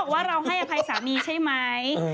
ว่าเราให้อภัยสามีใช่ไหม